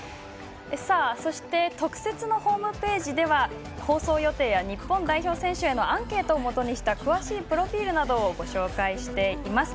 そして特設のホームページでは放送予定や日本代表選手へのアンケートを基にした詳しいプロフィールなどをご紹介しています。